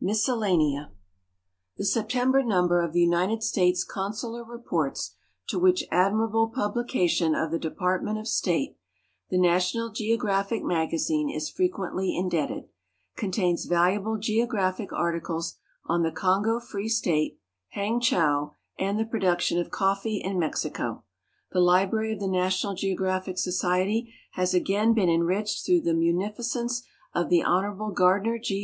MISCELLANEA The September number of the United States Consular Reports, to which admirable publication of the Department of State The National Geo GKAPHic Magazine is frequently indebted, contains valuable geographic articles on the Kongo Free State, Hangchow, and the Production of Coffee in Mexico. The library of the National Geographic Society has again been enriched through the munificence of the Hon. Gardiner G.